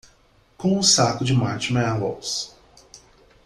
Com um saco de marshmallows.